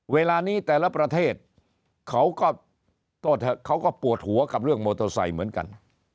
เวลานี้แต่ละประเทศเขาก็ปวดหัวกับเรื่องมอเตอร์ไซเหมือนกัน